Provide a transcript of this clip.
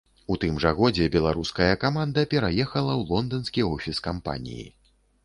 У тым жа годзе беларуская каманда пераехала ў лонданскі офіс кампаніі.